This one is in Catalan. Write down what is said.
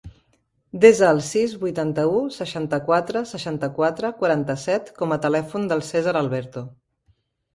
Desa el sis, vuitanta-u, seixanta-quatre, seixanta-quatre, quaranta-set com a telèfon del Cèsar Alberto.